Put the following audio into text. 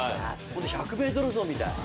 ホント１００ｍ走みたい。